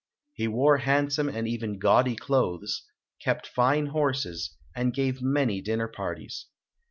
He wore handsome and even gaudy clothes, kept fine horses, and gave many dinner parties.